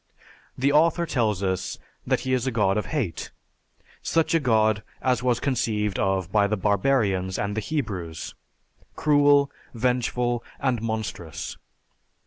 The author tells us that He is a god of hate, such a god as was conceived of by the barbarians and the Hebrews cruel, vengeful, and monstrous.